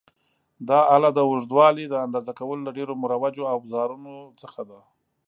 دا آله د اوږدوالي د اندازه کولو له ډېرو مروجو اوزارونو څخه ده.